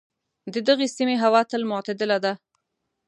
د دغې سیمې هوا تل معتدله ده.